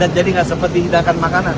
dan jadi tidak seperti hidangan makanan